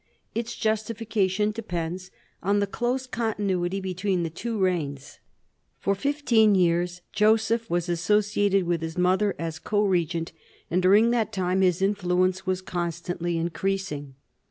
Its justification depends on the close continuity between the two reigns. For fifteen years Joseph was associated with his mother as co regent; and during that time his influence was constantly increasing.